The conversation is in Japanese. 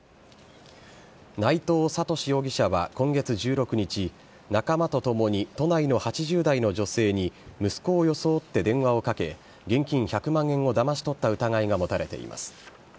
内藤さとし容疑者は今月１６日、仲間と共に、都内の８０代の女性に、息子を装って電話をかけ、現金１００万円をだまし取った疑いが持たれています。